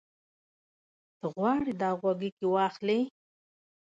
ته غواړې دا غوږيکې واخلې؟